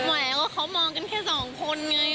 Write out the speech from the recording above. ไหวว่าเขามองกันแค่สองคนไง